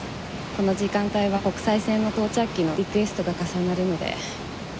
この時間帯は国際線の到着機のリクエストが重なるので。